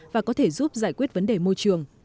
và có thể giúp giải quyết vấn đề môi trường